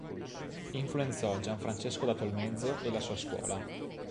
Influenzò Gianfrancesco da Tolmezzo e la sua scuola.